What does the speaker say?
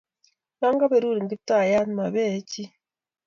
Yon keberurin Kiptaiyat ma pee chii.